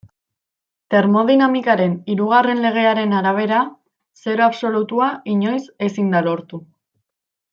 Termodinamikaren hirugarren legearen arabera zero absolutua inoiz ezin da lortu.